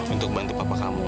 untuk bantu papa kamu